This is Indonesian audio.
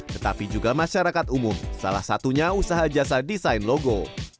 tetapi juga masyarakat umum salah satunya usaha jasa desain logo